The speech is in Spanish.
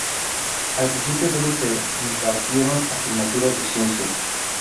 Al principio solo se impartieron asignaturas de ciencias.